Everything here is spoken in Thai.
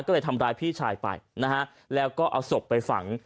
ก็เลยทำร้ายพี่ชายไปนะฮะแล้วก็เอาศพไปฝัง